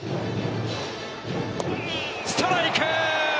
ストライク！